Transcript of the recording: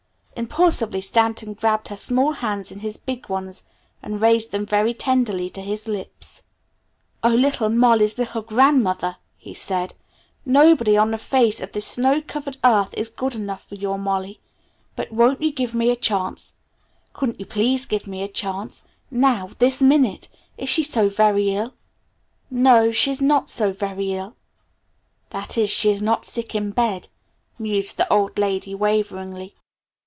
Impulsively Stanton grabbed her small hands in his big ones, and raised them very tenderly to his lips. [Illustration: "Are you a good boy?" she asked] "Oh, little Molly's little grandmother," he said; "nobody on the face of this snow covered earth is good enough for your Molly, but won't you give me a chance? Couldn't you please give me a chance? Now this minute? Is she so very ill?" "No, she's not so very ill, that is, she's not sick in bed," mused the old lady waveringly.